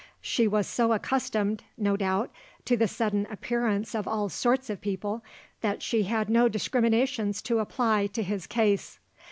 She was so accustomed, no doubt, to the sudden appearance of all sorts of people, that she had no discriminations to apply to his case.